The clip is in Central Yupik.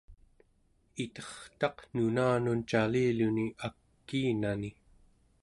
itertaq nunanun caliluni akiinani